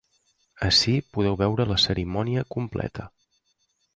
Ací podeu veure la cerimònia completa.